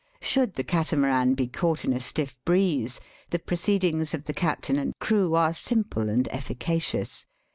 Should the catamaran be caught in a stiff breeze the proceedings of the captain and crew are simple and effica cious.